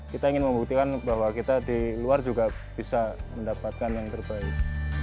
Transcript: kita ingin membuktikan bahwa kita di luar juga bisa mendapatkan yang terbaik